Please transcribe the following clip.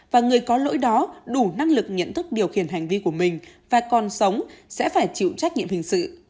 và người có lỗi đó đủ năng lực nhận thức điều khiển hành vi của mình và còn sống sẽ phải chịu trách nhiệm hình sự